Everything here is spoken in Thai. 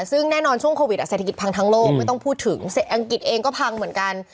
ซึ่งแน่นอนช่วงโควิดเศรษฐกิจพังทั้งโลกไม่ต้องพูดถึงอังกฤษเองก็พังเหมือนกัน